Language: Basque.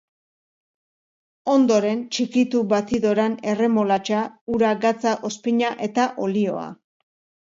Ondoren, txikitu batidoran erremolatxa, ura, gatza, ozpina eta olioa.